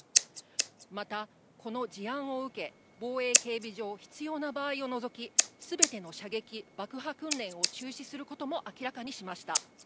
また、この事案を受け、防衛警備上、必要な場合を除き、すべての射撃、爆破訓練を中止することも明らかにしました。